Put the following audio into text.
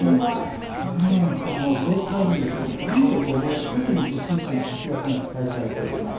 このスポーツクライミングですが男女とも首都圏出身者の活躍が期待されています。